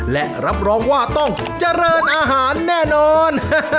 และรับรองว่าต้องเจริญอาหารแน่นอน